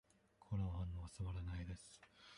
この本はつまらないです。